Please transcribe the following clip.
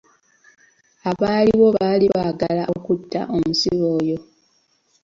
Abaaliwo baali baagala okutta omusibe oyo.